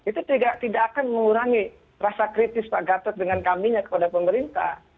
itu tidak akan mengurangi rasa kritis pak gatot dengan kaminya kepada pemerintah